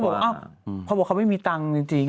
แล้วก็บอกว่าเขาไม่มีตังค์จริง